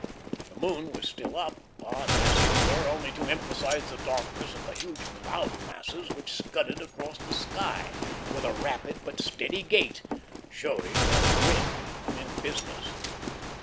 The moon was still up, but, as it were, only to emphasize the darkness of the huge cloud masses which scudded across the sky, with a rapid but steady gait, showing that the wind meant business.